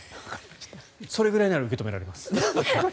それぐらいなら受け止められます。